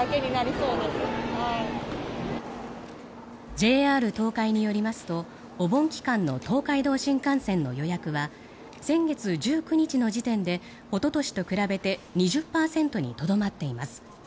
ＪＲ東海によりますとお盆期間の東海道新幹線の予約は先月１９日の時点でおととしと比べて２０％にとどまっています。